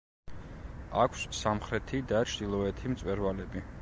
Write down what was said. აქვს სამხრეთი და ჩრდილოეთი მწვერვალები.